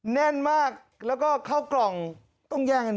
แน่นมากแล้วก็เข้ากล่องต้องแย่งกัน